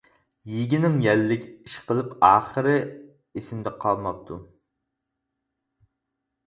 يېگىنىڭ يەللىك. ئىشقىلىپ ئاخىرى ئېسىمدە قالماپتۇ.